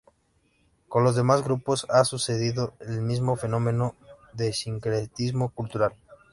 Con los demás grupos ha sucedido el mismo fenómeno de sincretismo cultural.